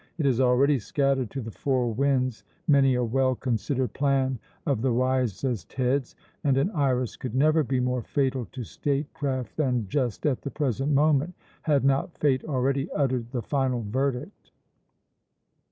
It has already scattered to the four winds many a well considered plan of the wisest heads, and an Iras could never be more fatal to statecraft than just at the present moment, had not Fate already uttered the final verdict."